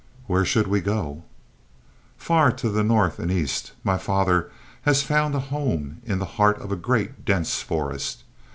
"Where should we go?" "Far to the north and east. My father has found a home in the heart of a great, dense forest.